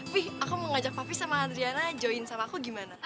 pi aku mau ngajak papi sama adriana join sama aku gimana